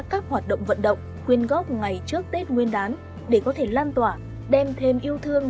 các hoạt động vận động quyên góp ngày trước tết nguyên đán để có thể lan tỏa đem thêm yêu thương